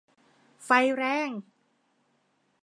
ไฟแรง !